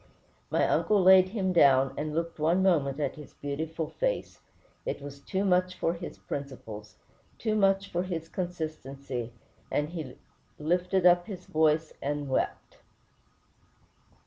My uncle laid him down, and looked one moment at his beautiful face. It was too much for his principles, too much for his consistency, and "he lifted up his voice and wept."